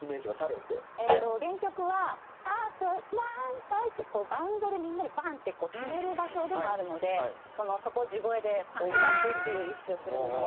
えっと原曲は「あと何回」ってこうバンドでみんなでバンッ！って決める場所でもあるのでそこを地声でパンッ！って出すっていう意識をするんですけど。